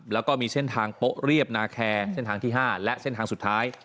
แล้วก็มีเส้นทางโป๊ะเรียบนาแคร์เส้นทางที่๕และเส้นทางสุดท้าย